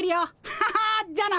ハハじゃあな。